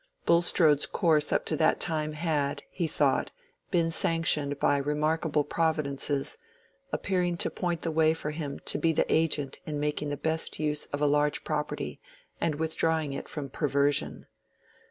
Bulstrode's course up to that time had, he thought, been sanctioned by remarkable providences, appearing to point the way for him to be the agent in making the best use of a large property and withdrawing it from perversion.